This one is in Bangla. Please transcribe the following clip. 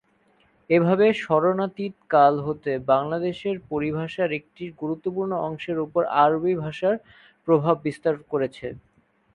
এভাবে স্মরণাতীতকাল হতে বাংলাদেশের পরিভাষার একটি গুরুত্বপূর্ণ অংশের ওপর আরবি ভাষা প্রভাব বিস্তার করেছে।